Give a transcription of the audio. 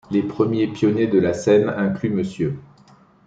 Les premiers pionniers de la scène incluent Mr.